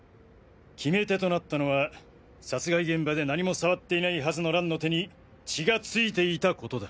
決め手となったのは殺害現場で何も触っていないはずの蘭の手に血がついていたことだ。